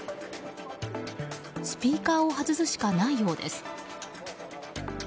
スピーカーを外すしかないようです。